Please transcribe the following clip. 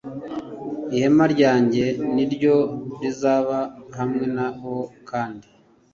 ihema ryanjye ni ryo rizaba hamwe na bo kandi